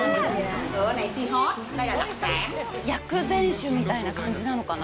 薬膳酒みたいな感じなのかな。